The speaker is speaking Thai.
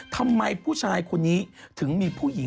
ทำไมผู้ชายคนนี้ถึงมีผู้หญิง